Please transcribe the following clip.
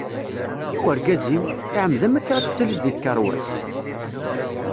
I urgaz-im? iɛemmed-am akka ad tettalliḍ di tkerwas?